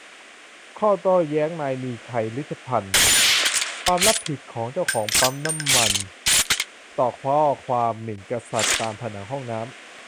ข้อโต้แย้งนายมีชัย ฤชุพันธุ์ : ความรับผิดของเจ้าของปั๊มน้ำมัน ต่อข้อความหมิ่นกษัตริย์ตามผนังห้องน้ำ